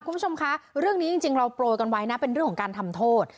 คุณผู้ชมคะเรื่องนี้จริงเราโปรยกันไว้นะเป็นเรื่องของการทำโทษ